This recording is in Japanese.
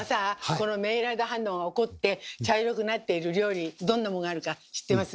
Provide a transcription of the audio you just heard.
このメイラード反応が起こって茶色くなっている料理どんなもんがあるか知ってます？